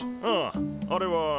あああれは。